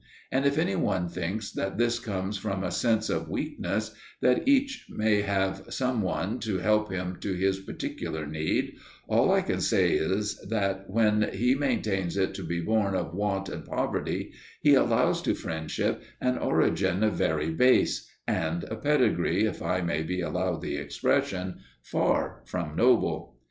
And if any one thinks that this comes from a sense of weakness, that each may have some one to help him to his particular need, all I can say is that, when he maintains it to be born of want and poverty, he allows to friendship an origin very base, and a pedigree, if I may be allowed the expression, far from noble.